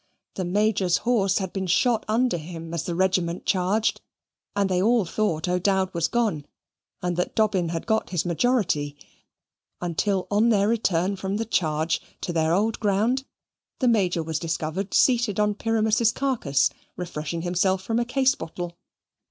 The Major's horse had been shot under him as the regiment charged, and they all thought that O'Dowd was gone, and that Dobbin had got his majority, until on their return from the charge to their old ground, the Major was discovered seated on Pyramus's carcase, refreshing him self from a case bottle.